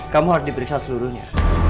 kamu harus diperiksa seluruhnya